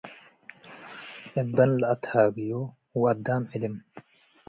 እበን ለአትሃግዮ ወአዳም ዕልም።